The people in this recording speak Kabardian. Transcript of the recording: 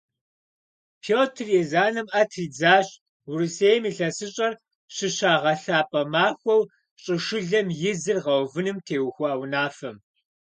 Пётр Езанэм Ӏэ тридзащ Урысейм ИлъэсыщӀэр щыщагъэлъапӀэ махуэу щӀышылэм и зыр гъэувыным теухуа унафэм.